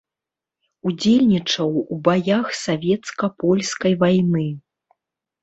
Удзельнічаў у баях савецка-польскай вайны.